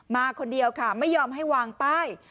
มาคนเดียวค่ะไม่ยอมให้วางป้าย